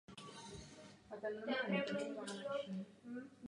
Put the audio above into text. Konkrétně chlapci nemají vždy na školách příležitost se rozvíjet.